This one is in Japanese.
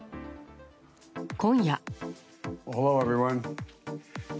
今夜。